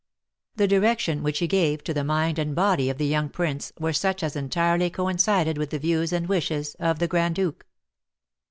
The direction which he gave to the mind and body of the young prince were such as entirely coincided with the views and wishes of the Grand Duke.